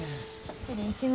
失礼します。